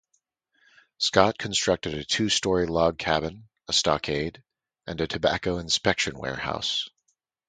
Scott constructed a two-story log cabin, a stockade, and a tobacco inspection warehouse.